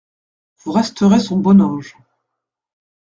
Vous resterez son bon ange.